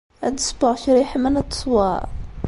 Ad d-ssewweɣ kra yeḥman ad t-tesweḍ?